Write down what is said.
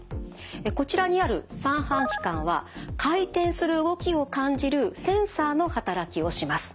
こちらにある三半規管は回転する動きを感じるセンサーの働きをします。